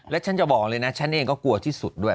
แล้วฉันจะบอกเลยนะฉันเองก็กลัวที่สุดด้วย